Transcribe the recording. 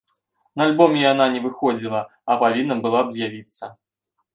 На альбоме яна не выходзіла, а павінна была б з'явіцца.